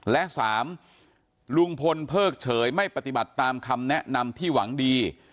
และ๓ลุงพลเพิกเฉยไม่ปฏิบัติตามคำแนะนำที่หวังดี